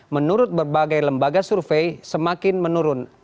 menurut berbagai lembaga survei semakin menurun